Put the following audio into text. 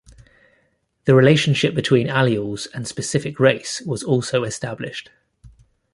The relationship between alleles and specific race was also established.